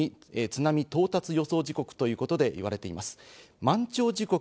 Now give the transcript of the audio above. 正午に津波到達予想時刻ということで言われています。